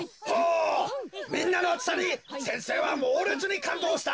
みんなのあつさに先生はもうれつにかんどうした。